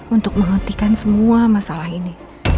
untuk menghentikan semua masalah ini